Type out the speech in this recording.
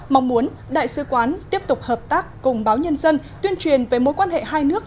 mong muốn đại sứ quán tiếp tục hợp tác cùng báo nhân dân tuyên truyền về mối quan hệ hai nước